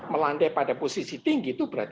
melande pada posisi tinggi itu berarti berbahaya